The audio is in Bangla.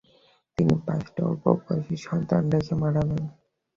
তিনি পাঁচটি অল্প বয়সী সন্তান রেখে মারা যান।